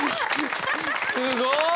すごい！